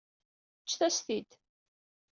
Ǧǧet-as-t-id.